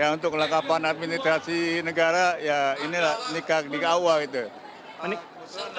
untuk lakapan administrasi negara ini nikah awal